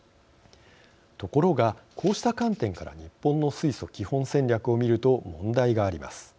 ところがこうした観点から日本の水素基本戦略を見ると問題があります。